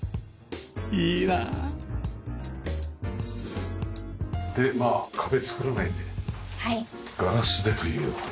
いやあ！でまあ壁作らないでガラスでという事ですよね。